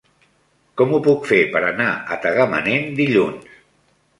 Com ho puc fer per anar a Tagamanent dilluns?